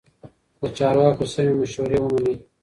د چارواکو سمې مشورې ومنئ.